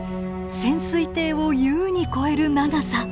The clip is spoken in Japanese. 潜水艇を優に超える長さ。